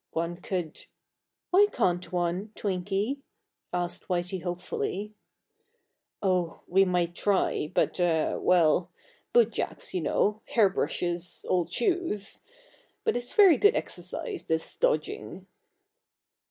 One could " "Why can't one, Twinky?" asked Whitey hopefully. "Oh, we might try, but er well, bootjacks, you know, hair brushes, old shoes! but it's very good exercise, this dodging."